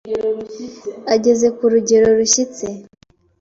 ageze ku rugero rushyitse.